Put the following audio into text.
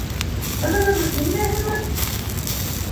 Ҡыҙығырлыҡ нимәһе бар?